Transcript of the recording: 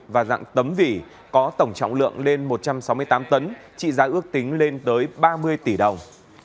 và dạng tấm vỉ có tổng trọng lượng lên một trăm sáu mươi tám tấn trị giá ước tính lên tới ba mươi tỷ đồng